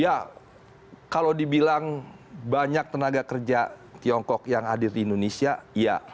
ya kalau dibilang banyak tenaga kerja tiongkok yang hadir di indonesia iya